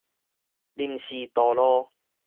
臨時道路